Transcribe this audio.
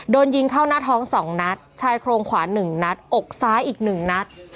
โดนยิงเข้าหน้าท้อง๒นัดชายโครงขวา๑นัดอกซ้ายอีก๑นัด